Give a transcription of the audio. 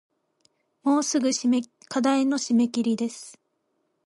もうすぐ課題の締切です